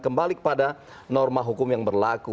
kembali kepada norma hukum yang berlaku